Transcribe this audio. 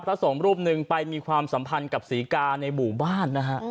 พระสงฆ์รูปหนึ่งไปมีความสัมพันธ์กับศรีกาในหมู่บ้านนะฮะ